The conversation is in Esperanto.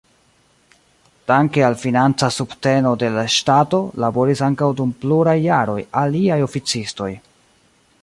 Danke al financa subteno de la ŝtato, laboris ankaŭ dum pluraj jaroj aliaj oficistoj.